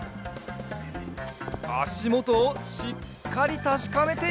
あしもとをしっかりたしかめている。